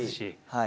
はい。